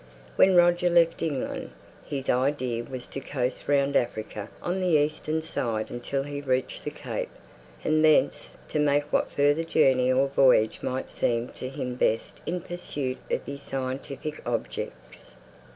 When Roger left England, his idea was to coast round Africa on the eastern side until he reached the Cape; and thence to make what further journey or voyage might seem to him best in pursuit of his scientific objects.